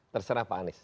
terserah pak anies